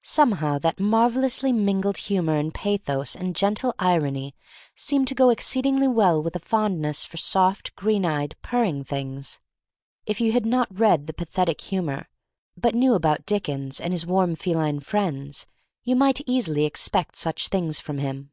Somehow that marvelously mingled humor and pathos and gentle irony seem to go exceedingly well with a fondness for soft, green eyed, purring things. If you had not read the pathetic humor, but knew about Dick ens and his warm feline friends you THE STORY OF MARY MAC LANE 243 might easily expect such things from him.